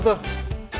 gimana gak sedih